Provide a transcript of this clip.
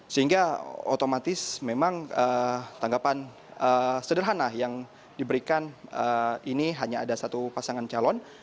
sehingga otomatis memang tanggapan sederhana yang diberikan ini hanya ada satu pasangan calon